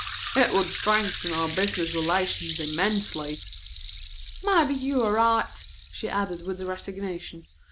It would strengthen our business relations immensely." "Maybe you are right," she added with resignation.